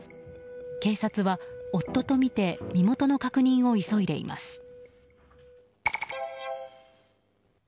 警察は夫とみて身元の確認を急いでいます。